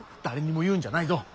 誰にも言うんじゃないぞ。